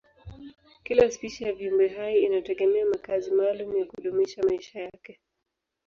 Kila spishi ya viumbehai inategemea makazi maalumu kwa kudumisha maisha yake.